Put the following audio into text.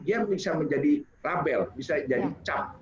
dia bisa menjadi rabel bisa jadi cap